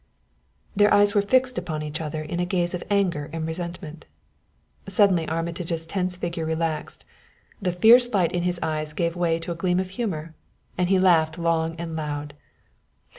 Their eyes were fixed upon each other in a gaze of anger and resentment. Suddenly, Armitage's tense figure relaxed; the fierce light in his eyes gave way to a gleam of humor and he laughed long and loud.